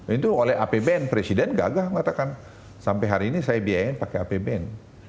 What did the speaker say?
itu oleh apbn presiden gagah mengatakan sampai hari ini saya biayain pakai apbn